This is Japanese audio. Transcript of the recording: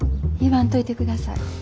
言わんといてください。